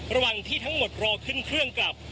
ระหว่างที่ทั้งหมดรอขึ้นเครื่องกลับ